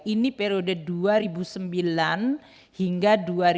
ini periode dua ribu sembilan hingga dua ribu dua puluh